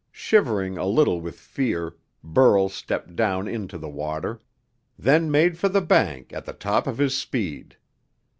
Shivering a little with fear, Burl stepped down into the water, then made for the bank at the top of his speed.